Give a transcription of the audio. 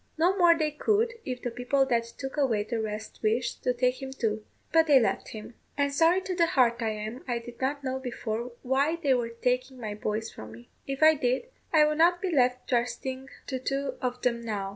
No more they could, if the people that took away the rest wished to take him too. But they left him; and sorry to the heart I am I did not know before why they were taking my boys from me; if I did, I would not be left trusting to two of 'em now."